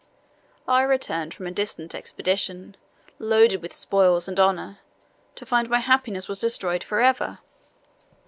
I returned from a distant expedition, loaded with spoils and honour, to find my happiness was destroyed for ever!